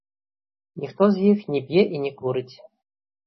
Ніхто з іх не п'е і не курыць.